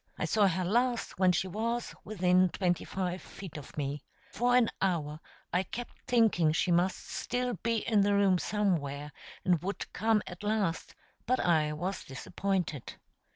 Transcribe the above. I saw her last when she was within twenty five feet of me. For an hour I kept thinking she must still be in the room somewhere and would come at last, but I was disappointed.